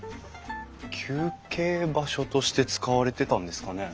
休憩場所として使われてたんですかね？